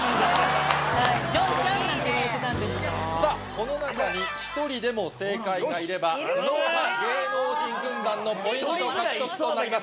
この中に１人でも正解がいれば頭脳派芸能人軍団のポイント獲得となります。